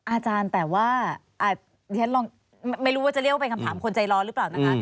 อาจารย์แต่ว่าเรียนลองไม่รู้ว่าจะเรียกว่าเป็นคำถามคนใจร้อนหรือเปล่านะคะ